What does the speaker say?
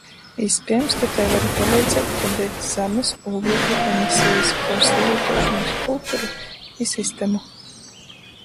Īspiejams, tu tai vari paleidzēt radeit zamys ūglekļa emisejis puorsavītuošonys kulturu i sistemu.